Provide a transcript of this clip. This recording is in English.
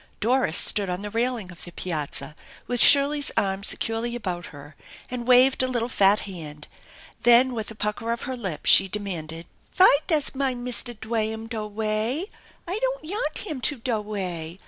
Doris stood on the railing of the piazza with Shirley's arm securely about her and waved a little fat hand; then with a pucker of her lip she demanded: "Fy does mine Mister Dwaham do way? I don't yanl him to do way.